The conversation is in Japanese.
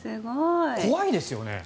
怖いですよね。